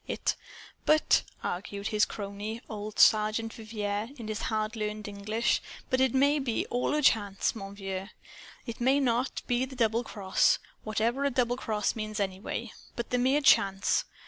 It " "But," argued his crony, old Sergeant Vivier, in his hard learned English, "but it may all be of a chance, mon vieux. It may, not be the doubled cross, whatever a doubled cross means, but the mere chance.